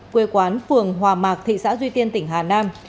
quê quán phường hòa mạc thị xã duy tiên tỉnh hà nam